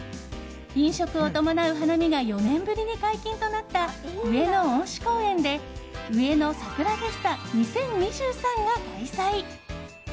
飲食を伴う花見が４年ぶりに解禁となった上野恩賜公園でうえの桜フェスタ２０２３が開催。